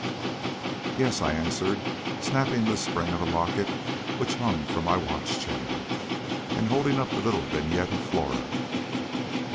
] "Yes," I answered, snapping the spring of the locket which hung from my watch chain, and holding up the little vignette of Flora.